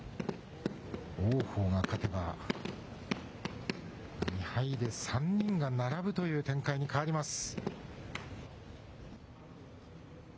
王鵬が勝てば、２敗で３人が並ぶという展開に変わります。